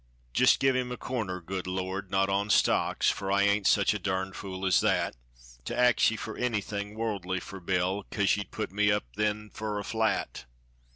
Jist give him a corner, good Lord not on stocks, Fur I ain't such a durned fool as that. To ax ye fur anything worldly fur Bill, Kase ye'd put me up then fur a flat.